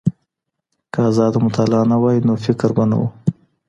که ازاده مطالعه نه وای نو فکر به نه و.